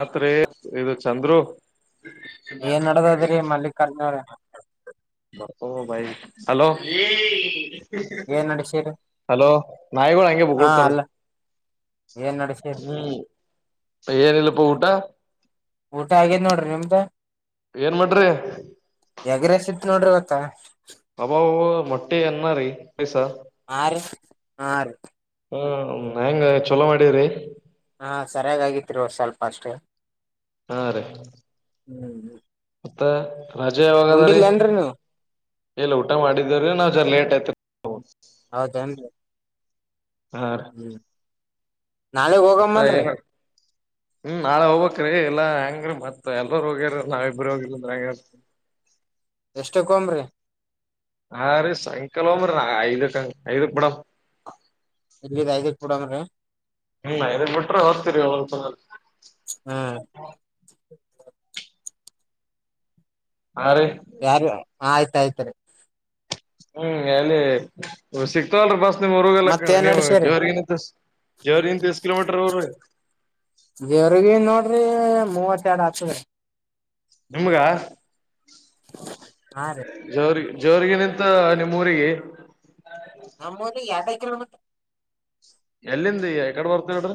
ಮಾತ್ ಇದು ಚಂದ್ರು ಏನ್ ನಡದದ್ರಿ ಮಲ್ಲಿಕಾರ್ಜುನ ಅವ್ರ ಬಪ್ಪ ಭ ಹಲೋ ಏನ್ ನಡಸಿರಿ ಹಲೋ ನಾಯಿಗಳು ಹೆಂಗಗೆ ಹಾ ಬಗಳತಾರ ಅಲ್ಲ ಏನ್ ನಡಸಿರಿ ಹ್ಮ್ ಏನಿಲ್ಲಪ್ಪಊಟಾ ಊಟ ಆಗಿದ್ ನೋಡ್ರಿ ನಿಮ್ದ ಏನ್ ಮಾಡ್ರಿ ಯಗ್ರಸ ಇತ್ತು ನೋಡ್ರಿ ಇವತ್ತಾ ಅಬಾವು ಮೊಟ್ಟೆ ಎನ ರೀ ಪೈಸ ಆ ಆರು ಹ ಹೆಂಗ ಚೊಲೋ ಮಾಡಿ್ರರಿ ಹಾ ಸರಿಯಾಗ ಆಾಗಿತ್ರಿ ಒ ಸ್ವಲ್ಪ ಅಷ್ಟೇ ಹಾ ರೀ ಹ್ಮ್ ಹ್ಮ್ ಮತ್ತೆ ರಜೆ ಯಾವಾಗದ ರೀ ನೀವು ಎಲ್ಲ ಊಟ ಮಾಡಿದ್ದೇವ್ರೀ ನಾವವು ಜ ಲೇಟ್ [inaudible] ಹೌದೇನ್ರಿ ಹ ಹ್ಮ್ ನಾಳೆಗ್ ಹೋಗಮ್ಮಲ್ರಿ ಹ್ಮ್ ನಾಳೆ ಹೋಗ್ಕ್್ರೀ ಇಲ್ಲಾ ಹೆಂಗ್ರೀ ಮತ್ ಎಲ್ ಹೋಗ್ಯಾರ ನಾವ್ ಇಬ್ಬರು ಹೋಗಿಿಲ್ಲಂದ್ರ ಹೆಂಗ್ಯ ಎಷ್ಟಕ್ ಹೋಗಮ್ರಿ ಹ ರೀ ಸಂಾಯಕಾಲ್ರ ಐದು ಐದು ಪಡ ಇ ಐದ ಕೊೂಡನ್ ರೀ ಹ್ಮ್ ಇದನ್ ಬಿಟ್ರೆ ಹೋಗ್ತೀರಿ ಒಸ ಹ್ಮ್ ಹಾ ರೀ ಯಾರು ಆಯ್ತು ಾಯತಾರೆ ಹ್ಮ್ ಅಲ್ಲಿ ಸಿಕ್ತಲ್ ಬಸ್ ೋಗಲ್ಲಕ್ಕ ಮತ್ತೇನ್ ನೀವು ನಡಸೇರಿ ಜೋರಿಗಂತ ಜೋರಿಗಂತ ಎಷ್ಟು ಕಿಲೋಮೀಟರ್ ಅವ್ರರಿ ದೇವ್ರಗ ನೋಡ್ರಿ ಮೂವತ್ತ ಎರಡ್ ಆತದೆ ನಿಮ್ಗ ಹಾ ರೀ ಜರಿ ಜೋರ್ಗ ನಿಂತ ನಿಮ್ಮ ಊರಿಗೆ ನಮ್ಮ ಎರಡೈ ಕಿಮೀಟರ್ ಎಲ್ಲಿಂದ ಎಕಡೆ ಬರ್ತ ನೋಡ್ರಿ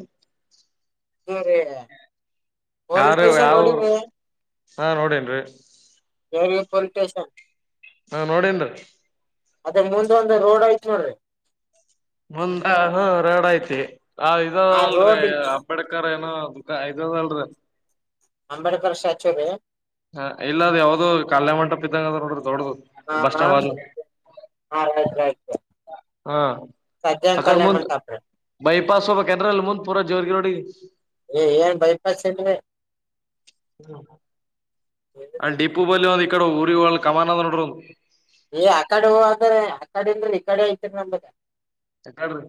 ಹ [unintelligible] ಯಾರ ಯಾವರು ಹಾ ನೋಡನ್ರರಿ ಕೆರ್ವಿ ಪೊಲೀ ಸ್ಟೇಷನ್ ಹಾ ನೋಡೇನ್ರಿ ಅದೇ ಮುಂದ ಒಂದು ರೋಡ್ ಆಯ್ತ್ ನೋಡ್ರಿ ಮುಂದ ಹ ಎರಡ ಐತಿ ಹಾ ಇದ ಆ ಅಲ್ರರಿ ರೋಡ್ ಅಂಬೇಡ್ಕರ್ಏ ಹ ಅದ ಐದ ಅಲ್ರಿ ಅಂಬೇಡಕರ ಸ್ಟ್ಯಾಚುರಿ ಹಾ ಇಲ್ಲದ್ ಯಾವ್ದ ಕಾಲಯ ಮಂಟಪ ಇದ್ದಂಗ ಅ ನೋಡ್ರಿ ದೊಡ್ಡ್ [unintelligible] ಹಾತ ಹಾ ಅಕಡ ಕಲ್ಯಾಣ ಮುಂದ ಮಂಟಪ ಬೈ ಪಾಸ್ ಹೋಗಬೇಕ ಅಂದ್ರ ಅಲ್ಲಿ ಮುಂದ್ ಪೂರ ಜೋರ್ರಿಗೆಗ ನೋಡಿ ರೀ ಏನ್ ಬೈಪಾಸ್ ಏನ್ರಿ ಅ ಡಿಪು ಬಲಿ ಇಡೆ ಊ ಕಮಾನಡ ಏ ಆ ಕಡೆ ಹೂ ಅ್ರ ಆ ಕಡಿಂದ್ರ ಈ ಕಡೆ ಐತಿರಿ ನಮಗೆ ಯಕಡ್ರಿ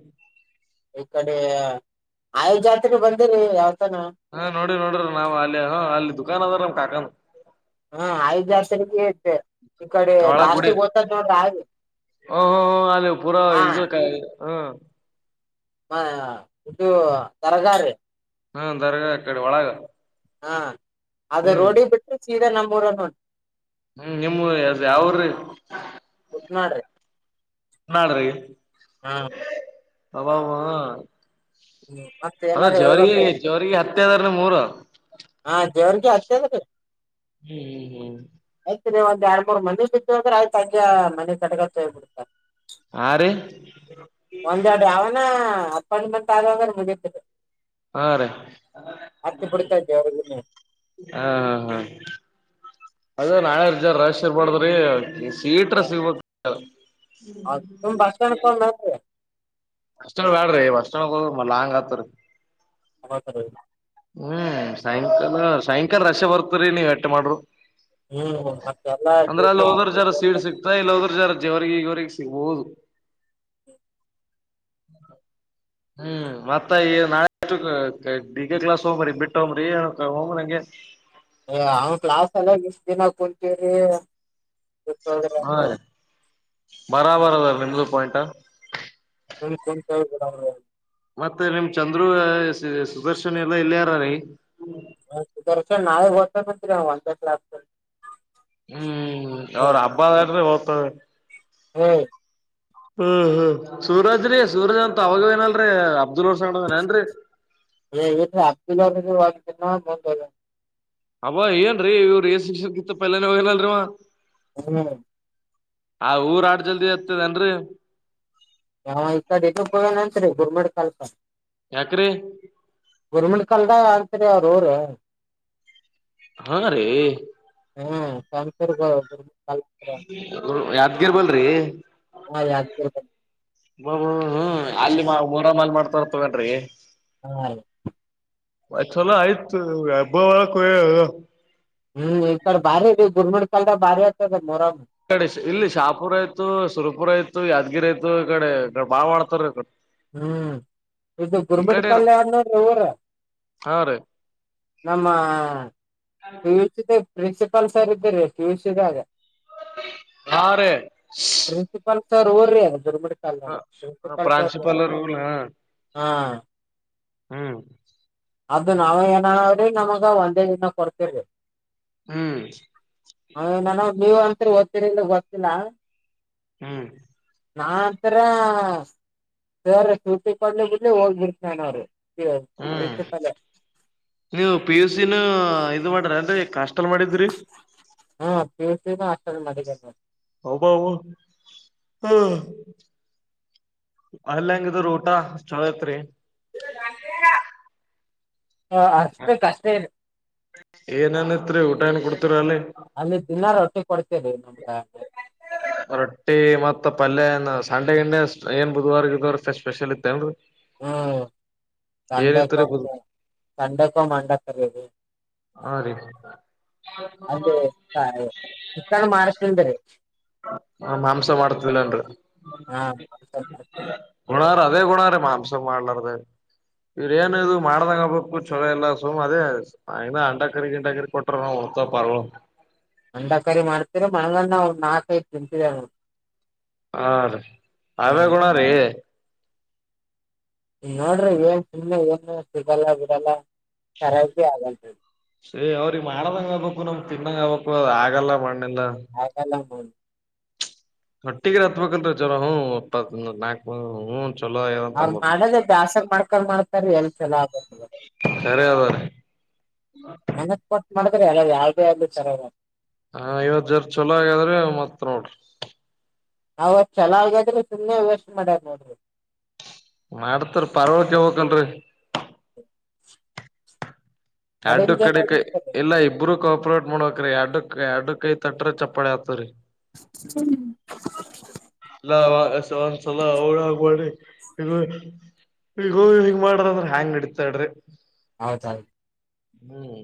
ಈ ಕಡೆ ಆಯ ಜಾತ್ರೆ ಬಂದೇನೆ ಯಾವ ಹಾ ನೋಡ್ರಿ ನೋಡ್ರಿ ನಾವ್ ಅಲ್ಲಿ ಅಲ್ಲಿ ದುಕಾನ ಅದಾರ ಕಗ ಹಾ ಐದ್ ಜಾಸ್ ತೆ ಈ ಕಡೆ ಒಳಗ್ ಗುಡಿ ಲಾಸ್ಟಿಗೆ ಹ್ತದ ನೋಡ್ರ ಹ್ಮ್ ಆ ಹಾ ಹಾ ಮ ಇದುು ತರಗಾರಿ ಹ್ಮ ದರಗ ಅ ಕಡೆ ಒಳಗ ಹಾ ಅದೇ ಹ್ಮ್ ರೋಡಿ ಬಿಟ್ಟು ದ ನಂಬರ್ ಒನ್ ಒನ್ ಹ್ಮ್ ನಿಮ್ಮ ಯಾವ್ರೀ ಮಾಡ್ರ ನಾಡ್ರಗೆ [unintelligible] ಅವಾ ಮತ್ ಅದ ಏನಾರ ಜವರಿಗೆ ಹೇಳ್ಬೇಕ್ರಿ ಜವರಿಗೆ ಹತ್ತದಾರ ಮೂರು ಹಾ ದೇವ್ರಗೆ ಹತದ ರೀ ಹ್ಮ್ ಹ್ಮ್ ಹ್ಮ್ ಒಂದ ಎರಡ್ ಮೂರ್ ಮನೆ ಬಿಟ್ಟ ಅ್ರೆ ಆಯ್ತ ತಗ್ ಮನೆ ಗ ಕಡ್ಗ ತೋಗ್ ಬಿಿಡ್ತಾರೆ ಹಾ ರೀ ಹ ಒಂದ್ೆಡೆ ಅವನ ಕ ಮ ತುವಾಗದೆ ಹಾ ರ ಬಿಡ್ತಾರ ದೇವ್ರಿಗುನು ಹಾ ಹಾ ಹಾ ಅದೇ ನಾಯರ್ ಜನ ರರ್ ಬ್ದ್ರಿ ಸೀಟ್ರ ಸಿವ ಹೌ ತುಂಬ ಭಾಷ ಕ ಅಷ್ಟೊ ಬ್ಯಾಡ್ರಿ ಅಷ್ಟೊ ಮ ಲಾಂಗ್ ಆತ್ರಿ ಹ ಸ ಹ್ಮ್ ಸಾಯಂಕಾಲ ಸಾಯಂಕಾಲ ರಶೆ ಬರ್ತರಿ ನೀವ್ ಎಟ್ಟೆ ಮಾಡ್ರರು ಹ್ಮ್ ಮತ್ತೆಲ್ಲಾ ಅಂದ್ರೆ ಅಲ್ಲಿ ಡ್ಯೂಟಿ ಹೋಗರ್ ಜರ ಸೀಡ್ ಸಿಕ್ತಾ ಇಲ್ಲಿೋಗರ್ ಜರ ಗ ಈವರೆಗೆ ಸಿಗ್ಬಹುದು ಹ್ಮ್ ಮತ್ತ ನಾಡ್ ಹಗೆ ಕ್ಲಾಸ್ ಹೋಗ್ರಿ ಬಿಟ್ಟೋಗ್ರಿ ಹೋಗ ನಂಗೆ ಅವನ್ ಕ್ಲಾಸ್ ಎಲ್ಲ ಇಷ್ಟ ದಿನ ಕುೂತೀರಿ ಸತ ಬರಬರ ಅದ ನಿು ಪಯಂಟ್ ಕ ಕನ್ ಕ ಕ ಮತ್ತೆ ನಿಮ್ ಚಂದ್ರು ಸುದರ್ಶನ ಎಲ್ಲಾ ಇಲ್ಲಿಯಾರ ರೀ ದರ್ಶನ್ ನಾಯ ಹೊತ ಮರಿ ಹವಂಂತಲ್ಲತ ಹ್ಮ್ ಅವ್ರ ಹಬ್ಬದ ಹ್ಮ ಹ್ಮ್ ಹ್ಮ್ ಹ್ಮ್ ಸೂರಜ್ರೀ ಸೂರಜ್ ಅಂತ ಅವಾಗವೇನಲ್ರೀ ಅಬ್ದುಲ್ ರಸಡದಾನ ಏನ್ರಿ ಬಲಾನಗ ವಿ ಬ ಅಬ್ ಏನ್ರೀ ಇವ್ ರ ಶಿಕ್ಷಗಿತ್ತ ಪಲ್ನ ಹೋಗನಲ್ರರಿವಾ ಹ್ಮ ಆ ಊರ್ ಆಡ್ ಜಲ್ದಿ ಹತದನ್ರರಿ ಹ ಇಡೆಟ ಪ ನಂತರ ಗುರ್ಮಡ್ ಕಲ್ಸ ಯಾಕ್ರಿ ಗೌರ್ಮೆಂಟ್ ಕಲ್ದ ಹ ಯಾರ ಅವರ ಹಾ ರೇ ಹಾ ಕಂಂತರ್ ಯ ಹಗಿರ್ಬಲ್ರಿ ಹಾ ಯಾದಗಿರಿ ಬಬ ಹ್ಮ ಆಲ್ಲಿ ಮೂರ ಮಾಲ್ ಮಾಡ್ತಾರ ತೊಗೊಂಡ್ರಿ ಹಾ ಆ್ ಚಲ ಆಯ್ತ ಅಬ್ಬವಳ ಕ ಹ್ಮ್ ಈ ಕಡೆ ಬಾರಿ ಗುರ್ಮಂಡ ಕಾಲಲ್ದ ಭಾರಿ ಆತದ ಮರ ಕಡೆ ಇಲ್ಲಿ ಶಾಪುರ ಆಯ್ು ಸುರಪುರ ಆಯತು ಯಾದಗಿರಿ ಆಯ್ು ಈ ಕಡೆ ಬಾಳ್ ಮಾಡ್ತಾರ ಹ್ಮ್ ಇದು ಈ ಗುರ್ಬಡ್ ಕಡೆ ಕಲ್ಯಾಣ ಇವರ ಹಾ ರೀ ನಮ್ಮ ಪ್ರಿನ್ಸಿಪಾಲ್ ಸರ್ ಇದ್ದರಿ ಟ್ಯೂಷ ಇದಗಾಗ ಆರು ಪ್ರಿನ್ಸಿಪಾಲ್ ಸರ್ ೋರ್ರಿ ಶ ಪಡ್ಕ ಪ್ರಾಂಶುಪಾಲರು ಹ್ಮ್ ಅದು ನಾವ ಏನ್ರಿ ನಮಗ ಒಂದೇ ದಿನ ಕೊಡ್ತಿರಿ ಹ್ಮ್ ನಾವೇನ ನೀವ್ ಅತ್ ಓದ್ರಿಿಂದ ಗೊತ್ತಿಲ್ಲ ಹ್ಮ್ ನಾತ್ರ ಸ್ರ ಶೂರ್ತಿಿ ಕಡ್ಲಿ ಬಿಡ್ಲಿ ಹೋಗ್ಬಿಡ್ತಾನ ಅವರು ಹ್ಮ್ ನೀವು ಪಿ ಯುಸಿನೂ ಇದು ಮಾಡ್ರಿ ಅಂದ್ರೆ ಕಷ್ಟ ಮಲ ಮಾಡಿದರಿ ಸಮ ಅಷ್ಟ ಮ ಹೌಬವು ಹ್ಮ್ ಅಲ್ಲ ಹೆಂಗಿದ್ರ ಊಟ ಚಳತ್ರಿ ನ ಹ ಏನನ್ತ್ರಿ ಊಟ ಏನ್ ಕೊಡ್ತ ಅಲ್ಲಿ ದಿನಾರ ರೊಟ್ಟಿ ಕೊಡ್ತ ನಮ್ಮೆ ರೊಟ್ಟಿ ಮತ್ ಪಲ್ಯ ಸಂಡೆ ಗಂಡ ಏನ್ ಬುಧವಾರಗ ಇದ್ದವ್ರ ಸ್ಪೆಷಲ್ ಇತ್ತ ಏನ್ರಿ ಹ್ಮ್ ಸಂಡಕ್ಕ ಬುದ್ ತಂಡಕ್ಕ ಮಂಡರ ಹಾ ರೀ ಅದ ಚಿಕ್ಕಣ ಮಾಡ್ಕಲ್್ರೀ ಹ ಮಾಂಸ ಮಾಡ್ತದಿಲ್ಲನ್ರಿ ಹಾ ಮಾಂಸ ಮಾಡ್ತೀವಿ ಹಣಾರ ಅದೇ ಗುಣ ರ ಮಾಂಸ ಮಾಡ್ಲಾರ್ದ ಇವ್ರ ಏನ್ ಇದು ಮಾಡ್ದಂಗ ಆಗ್ಬೇಕು ಚೊಲೋ ಇಲ್ಲ ಸುಮ್ ಅದೇ ಆ ಅಂಂಡ ಕರಿ ಗಿಂಡಕರ್ ಕೊಟ್ರ ನಾವವು ಹೊಡ್ತ ಪಾರ್ಳ ಅಂಡಕರಿ ಮಾಡ್ತೀರ ಮಣಂಗಣ ಅವ್ ನಾಲ್ಕೈ ತಿಂತಿದೇವ್ ನೋಡು. ಹಾ ರೀ ಅವೇ ಗುಣ ರೀ. ನೋಡ್ರಿ ಏನ್ ಸುಮ್ಮನೆ ಏನು ಸಿಗಲ್ಲ ಬಿಡಲ್ಲ ಕರೆದ ಬೀ ಆಗಲ್ಲ ರಿ ಸೇ ಅವ್ರಿಗೆ ಮಾಡದಂಗ ಆಗ್ಬೇಕು ನಮ ತಿನ್ನಂಗ ಆಗ್ಬೇಕು ಆಗಲ್ಲ ಮಣ್ಣ. ಆಗಲ್ಲ [unintelligible] ಅಂತ ಅವರು ಅನ್ಬಕ್ ಮಾಡದೆ ಬ್ಯಾಸ್ರು ಮಾಡಕೊಂಡ ಮಾಡತ್ತಾರ ರಿ ಎಲ್ಲಿ ಚೆಲೋ ಆಗುತ್ತದ. ಸರಿ ಅದ್ರೀ ಮನುಸ್ಕೊಟ್ಟು ಮಾಡು [unintelligible] ಹಾ ಇವತ್ ಜರ ಚೊಲೋ ಆಗ್ಯಾದ್ರಿ. ಮತ್ ನೋಡ್ರಿ ಅವತ್ತು ಚಲೋ ಆಗ್ಯಾದ್ರಿ ಸುಮ್ಮ್ನೆ ವೇಸ್ಟ್ ಮಾಡ್ಯರ ನೋಡ್ರಿ. ಮಾಡ್ತಾರ ಪಾರ್ಗಳು ಕೇಳ್ಬೇಕಲ್ರಿ. ಕಡು ಕಡಿಮ್ ಕಡೆ ಜನ ಇದ್ದಿದ್ದಾರೆ ಎಲ್ಲಾ ಇಬ್ಬರು ಕಾಪರೇಟ್ ಮಾಡ್ಬೇಕ್ರೀ ಎರಡ್ಕ್ ಎಡ್ ಕೈ ತಟ್ರ ಚಪ್ಪಾಳ ಆತದ್ರಿ. [unintelligible] ಒಂದ್ಸಲ ಹಳಾಗಬಿಗ ಈಗ ಹಿಂಗ ಮಾಡ್ರ ಅಂದ್ರ ಹ್ಯಾಂಗ್ ಅಡತಾಡ್ರಿ. ಹೌದೌ. ಹ್ಮ್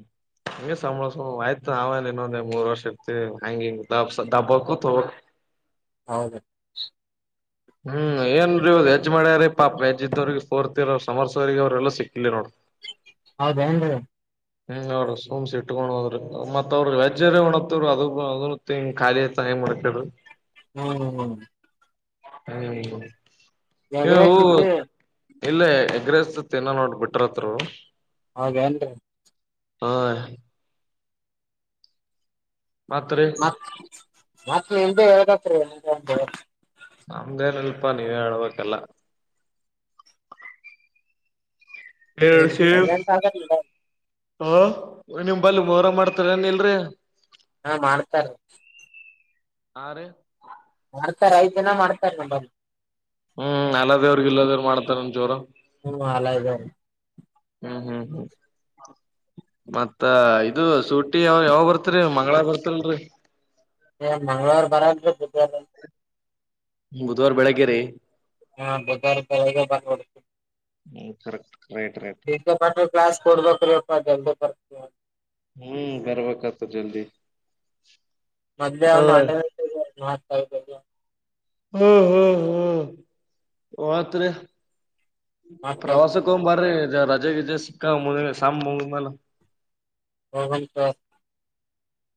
ಹಗೆ ಸಂಬಳಸ ಆಯ್ತು ನಾವೇಲ್ಲಿ ಇನ್ನೊಂದ ಮೂರ್ ವರ್ಷ ಇರ್ತಿ ಹಂಗಿಬ್ ದಬ್ಬಕೂತವ ಹೌದರಿ ಹ್ಮ್ ಏನ್ ರೀ ಇ ವೆಜ್ ಮಾಡ್ಯಾರೀ ಪಾಪ ವೆಜ್ ಇದವ್ರಿಗೆ ಫೋರ್ತ್ ಇರ ಅವ ಸಮರ್ಸವಗ ಅವ್ರೆಲ್ಲ ಸಿಕ್ಕಲ್ ನೋಡ್ರಿ. ಹೌದೇನ್ರೀ. ಹ್ಮ್ ಅವ್ರ ಸುಮ್ಸ್ ಇಟ್ಕೊಂಡ್ ಹೋದ್ರಿ ಮತ್ ಅವ್ರ ವೆಜ್ ಒಣತ್ತವ ಅದ ಅದ ಖಾಲಿ ಆಯ್ತು ಅಂದ್ರೆ ಏನ್ ಮಾಡ್ಬೇಕ್ ಹೇಳ್ರಿ. ಹ್ಮ್ ಹ್ಮ್. [inaudible] ಎಗ್ ಇವು ರೈಸ್ ತಿಂತೀರಿ. ಇಲ್ಲೇ ಎಗ್ ರೈಸ್ ಏನೋ ನೋಡ್ ಬಿಟ್ರತ್ರರು ಹೌದೇನ್ರೀ. ಹ. ಮತ್ರಿ ಮತ್ತ ಮತ್ ನಿಮ್ಮದೆ ಹೇಳ್ಬೇಕ್ರಿ. ನಮ್ದೇನಲ್ಪಾ ನೀವೇ ಹೇಳ್ಬೇಕಲ್ಲ. ಹೇ ಸೈಲೆಂಟ್ ಆದಲ್ಲ. ಹ ನಿಮ್ ಬಲ್ಲಿ ಮೊರಂ ಮಾಡ್ತಾರ ಏನ್ ಇಲ್ರಿ. ಹಾ ಮಾಡ್ತಾರ. ಹಾರಿ. ಮಾಡ್ತಾರೆ ಐದ ದಿನ ಮಾಡ್ತಾರ ನಂಬಲ್ಲಿ. ಹ್ಮ್ ಅಲೈ ದೇವ್ರು ಗಿಲ್ಯಾ ದೇವರು ಮಾಡತಾರ ಏನ್ ಜೋರ. ಹ್ಮ್ ಅಲ್ಲೈ ದೇವ್ರು. ಹ್ಮ್ ಹ್ಮ್ ಹ್ಮ್ ಮತ್ತ ಇದು ಸೂಟಿ ಯಾವ ಯಾವ ಬರ್ತ್ರಿ ಮಂಗಳಾರ ಬರ್ತಿಲ್ರಿ. ಮಂಗಳವಾರ ಬರಲ್ರೀ ಬುಧವಾರ ಬುಧವಾರ ಬೆಳಗ್ಗೆ ರಿ ಆ ಬುಧವಾರ ಬೆಳಗ್ಗೆ ಬಂದು ಬಿಡ್ತೀವಿ. ಹ್ಮ್ ಕರೆಕ್ಟ್ ರೈಟ್ ರೈಟ್ [unintelligible] ಹ್ಮ್ ಬರ್ಬೇಕತ ಜಲ್ದಿ ಮದ್ಯಾ ಹ್ ಅವ್ [unintelligible] ಸರ್ [inaudible] ಹ್ಮ್ ಹ್ಮ್ ಹ್ಮ್ ಆತ ರೆ ಮತ್ತೆ ಪ್ರವಾಸಕ್ಕೆ ಓಂ ಬರ್ರಿ ರಜೆಗೆ ಸಿಕ್ಕಾ ಮು ಶಾಮ್ ಮು ಮ ಹಹನ್ಂತ [unintelligible]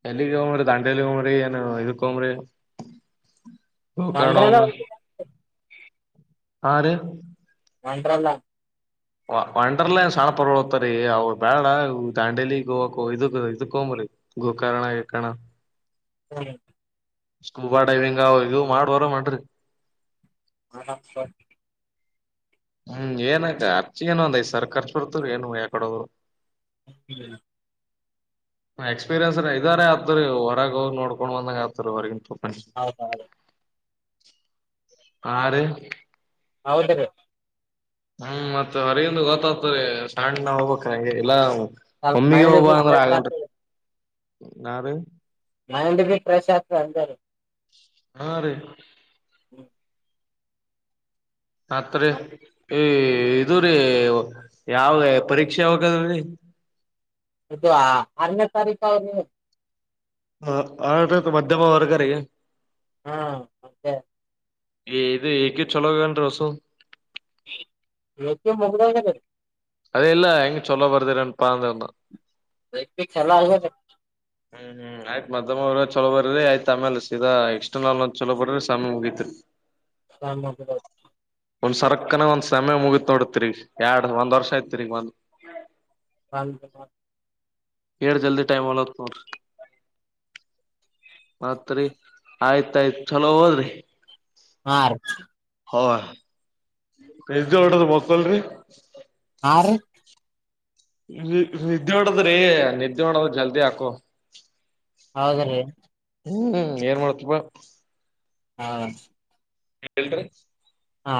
ಎಲ್ಲಿಗೆ ಹೋಗ್ರಿ ದಾಂಡೆಲ್ಲಿ ಹಂಬ್ರಿ ಏನು ಇಕೊಮ್ರಿ ಗೋಕರ್ಣ ಒಮ ಹಾ ರ ವಂದಾಲ ವ ಒಂಡರ್ಲೆಂಡ್ ಸಣ್ಣ ಪರ್ತಾರೀ ಅವ್ ಬ್ಯಾಡ ದಾಂಡೇಲಿ ಗೋವಾ ಇದಕ್ ಇದಕಂಬ್ರೀ ಗೋಕರ್ಣಕಣ ಹ್ಮ ಸ್ಕೂಬಾ ಡೈವಿಂಗ್ ಇ ಮಾಡ್ವರ ಮಾಡನ್್ರಿ ಹ ಸರ್ ಹ್ಮ್ ಏನ ಅರ್ಚ ಏನ ಒಂದ್ ಐ ಸರ್ ಖರ್ಚು ಬರ್ತವ ಏನು ಯಾಕಡೋದ್ರು ಹ [inaudible] ಎಕ್ಸ್ಪೀರಿಯನ್ಸ್ ಇದಾರೆ ಆತ್ರಿ ಹೊರಗ್ ನೋಡ್ಕೊಂಡ್ ಬಂದಾಗ ಆತರಿ ಹೊರ್ಗಿಂತ ತು ಹೌದ ಹೌದು [inaudible] ಆರು ಹೌದ ರೀ ಹ್ಮ್ ಮತ್ ಹೊರಗಂದು ಗೊತ್ತಾಗ್ತರಿ ಸಣ್ಣ ಹೋಗ್ಬೇಕೆ ಇಲ್ಲ ಸ್ವಲ್ಪ ಮೈಂಡ್ ಫ್ರೆಶ್ ಆಗ್ತದೆ [inaudible] ಯಾರ ಮೈಂಡ್ ಭ ಫ್ರೆಶ್ ಆತ ಅಂದರು ಹಾ ರೀ ಹ್ಮ ಅತ್ರ [inaudible] ಇದು ರೀ ಯಾವ ಪರೀಕ್ಷೆ ಹೋಗದೀ ಇದು ಆರನೇ ತಾರೀಕು ಅವರಿ ಹ ಆ ಮಧ್ಯಮ ವರ್ಗ ರೀ ಹಾ ಮತ್ತೆ ದು ಏಕೆ ಚೊಲೋನ್ ಹೊಸು ಎಕ್ಕೆ ಮಗ್ಲಡೆ ಅದೆೇ ಇಲ್ಲ ಹೆಂಗ ಚಲೋ ಬರ್ದರ ಪಾರ್ಂದಂತ ಪೀ ಚಲ್ಲ ಆ ಹ್ಮ್ ಹ್ಮ್ ಆಯ್ತ್ ಮಧ್ಯಮ್ರ್ಗ ಚಲೋ ಬರ್ರಿ ಆಯ್ತ ಆಮೇಲ್ ಸೀದ ಎಕ್ಸ್ಟರ್ನಲ್ ಚಲ ಬರ್ರಿ ಸಮಯ ಮುಗತ್ರಿ ಸಮಾ ಒಂದ್ ಸರ್ಕನ ಒಂದ್ ಸಮಯ ಮುಗತ್ ನೋಡತ್ರಿಗ ಎರಡ್ ಒಂದ್ ವರ್ಷ ಐತ್ರಿಗ ಒಂದ್ ಹ ಏಟ್ ಜಲ್ದಿ ಟೈಮ್ ಹೊಲತಾ ನೋಡು ಮತ್ರಿ ಆಯ್ತಾಯ್ತ್ ಚಲೋ ಹೋದ್ರಿ ಆರ್ ಹ ಎದ್ದು ಹೊಡದ ಬಕ್ಕಲ್ರಿ ಹಾ ರೀ ನಿದ್ದೆ ಉಡದ್ರಿ ನಿದ್ದೆ ಉಡದ ಜಲ್ದಿ ಹಾಕು ಹಾಗ್ರೆ ಹ್ಮ್ ಏನ್ ಮಾಡತ್ಪ್ಪಾ ಹಾ ಹೇಳ್ರಿ ಹಾ